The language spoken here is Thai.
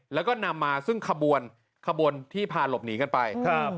แล้วก็นำมาซึ่งขบวนที่พาหลบหนีกันไป